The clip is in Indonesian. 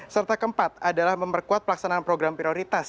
serta keempat adalah memperkuat pelaksanaan program prioritas